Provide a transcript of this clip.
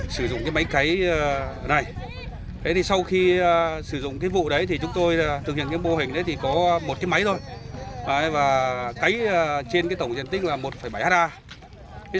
sử dụng máy cấy này sau khi sử dụng vụ đấy chúng tôi thực hiện mô hình có một máy thôi cấy trên tổng diện tích là một bảy hectare